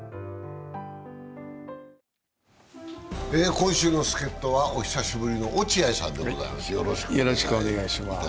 今週の助っとはお久しぶりの落合さんです。